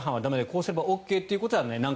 こうすればＯＫということじゃない。